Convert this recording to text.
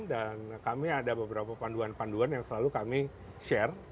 dan kami ada beberapa panduan panduan yang selalu kami share